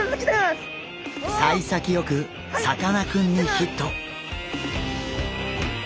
さい先よくさかなクンにヒット！